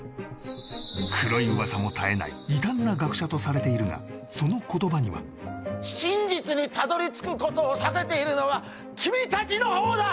黒い噂も絶えない異端な学者とされているがその言葉には真実にたどり着くことを避けているのは君たちのほうだ！